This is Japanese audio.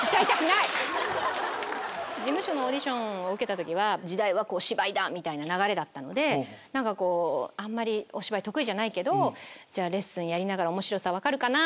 事務所のオーディションを受けた時は時代は芝居だ！みたいな流れであまりお芝居得意じゃないけどレッスンやりながら面白さ分かるかな？